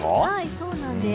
そうなんです。